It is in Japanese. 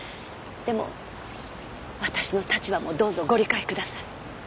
でも私の立場もどうぞご理解ください。